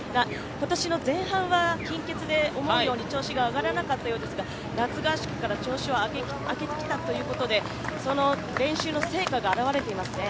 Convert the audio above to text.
今年の前半は貧血で思うように調子が上がらなかったということですが夏合宿から調子を上げてきたということでその練習の成果が表れていますね。